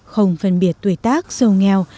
không phân biệt tuổi tác giàu nghèo